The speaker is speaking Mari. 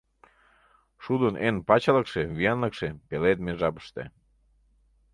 Шудын эн пачылыкше, виянлыкше — пеледме жапыште.